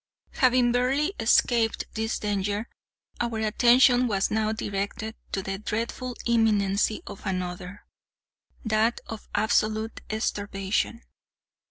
Having barely escaped this danger, our attention was now directed to the dreadful imminency of another—that of absolute starvation.